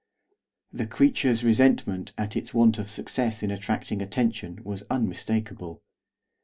The creature's resentment at its want of success in attracting attention was unmistakable.